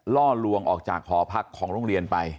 ล่อลวงออกจากหอพักของโรงเรียนไป